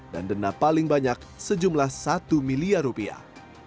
dan dana paling banyak sejumlah satu miliar rupiah